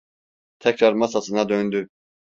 Tekrar masasına döndü.